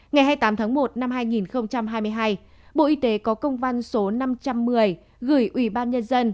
ngày hai mươi tám tháng một năm hai nghìn hai mươi hai bộ y tế có công văn số năm trăm một mươi gửi ủy ban nhân dân